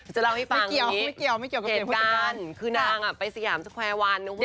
จะเล่าให้ฟังอย่างนี้เหตุการณ์คือนางไปสยามสแควร์วัน